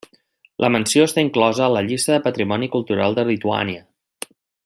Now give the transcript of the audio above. La mansió està inclosa a la llista del patrimoni cultural de Lituània.